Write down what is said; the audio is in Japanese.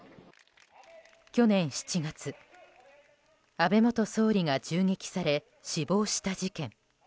去年７月、安倍元総理が銃撃され死亡した事件。